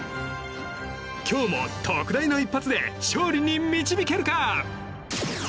今日も特大の一発で勝利に導けるか？